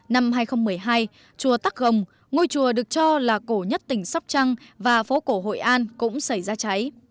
năm hai nghìn một mươi hai chùa tắc hồng ngôi chùa được cho là cổ nhất tỉnh sóc trăng và phố cổ hội an cũng xảy ra cháy